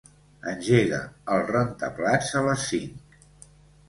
Engega el rentaplats a les cinc.